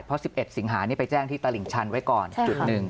เพราะ๑๑สิงหานี่ไปแจ้งที่ตลิ่งชันไว้ก่อนจุดหนึ่ง